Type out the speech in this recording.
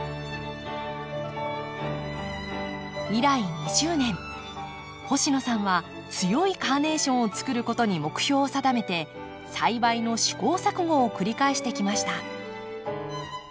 以来２０年星野さんは強いカーネーションをつくることに目標を定めて栽培の試行錯誤を繰り返してきました。